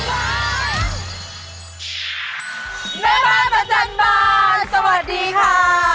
แม่บ้านประจันบานสวัสดีค่ะ